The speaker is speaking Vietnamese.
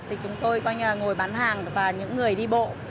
thì chúng tôi coi như là người bán hàng và những người đi bộ